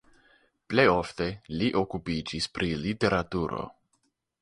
Plej ofte li okupiĝis pri literaturo.